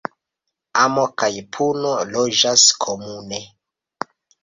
Amo kaj puno loĝas komune.